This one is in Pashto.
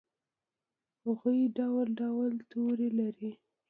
هغوي ډول ډول تورې لري